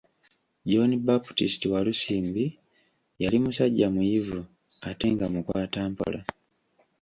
John Baptist Walusimbi yali musajja muyivu ate nga mukwatampola.